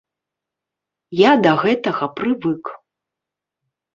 Я да гэтага прывык.